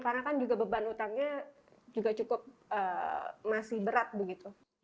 karena kan juga beban utangnya juga cukup masih berat begitu